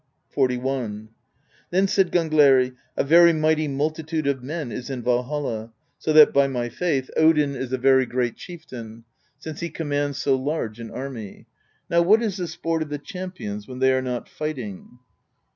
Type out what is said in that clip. XLI. Then said Gangleri: "A very mighty multitude of men is in Valhall, so that, by my faith, Odin is a very great THE BEGUILING OF GYLFI 53 chieftain, since he commands so large an army. Now what is the sport of the champions, when they are not fighting?"